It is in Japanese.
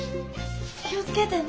気を付けてね！